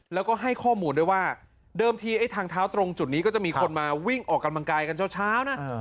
แล้วก็ให้ข้อมูลด้วยว่าเดิมทีไอ้ทางเท้าตรงจุดนี้ก็จะมีคนมาวิ่งออกกำลังกายกันเช้านะ